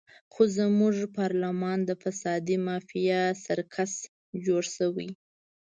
خو زموږ پارلمان د فسادي مافیا سرکس جوړ شوی.